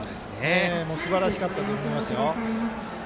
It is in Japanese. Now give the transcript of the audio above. すばらしかったと思いますよ。